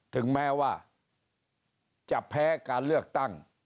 ถึงแม้ว่าจะแพ้การเลือกตั้ง